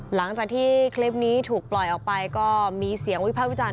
หลังจากที่คลิปนี้ถูกปล่อยออกไปก็มีเสียงวิพากษ์วิจารณ